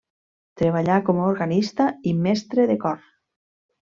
Treballà com a organista i mestre de cor.